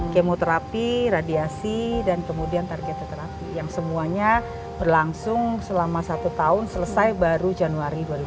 kemoterapi radiasi dan kemudian targetoterapi yang semuanya berlangsung selama satu tahun selesai baru januari dua ribu dua puluh